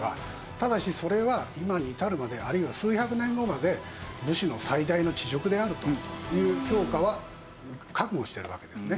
ただしそれは今に至るまであるいは数百年後まで武士の最大の恥辱であるという評価は覚悟してるわけですね。